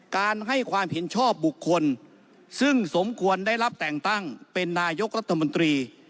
การให้ความเห็นชอบบุคคลซึ่งสมควรได้รับแต่งตั้งเป็นนายกรัฐมนตรี